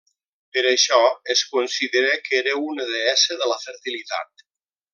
Per això es considera que era una deessa de la fertilitat.